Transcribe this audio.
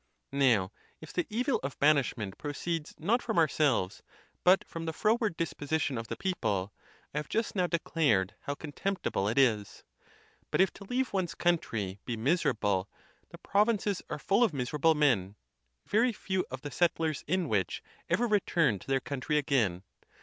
Now, if the evil of ban ishment proceeds not from ourselves, but from the froward disposition of the people, I have just now declared how contemptible it is. . But if to leave one's country be mis g* \ 202 THE TUSCULAN DISPUTATIONS. erable, the provinces are full of miserable men, very few of the settlers in which ever return to their country again.